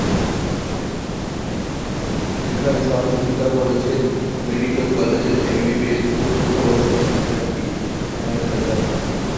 সেখানে সহযোগিতা করেছেন মেডিকেল কলেজের এমবিবিএস চতুর্থ বর্ষের শিক্ষার্থী নাহিদ হাসান।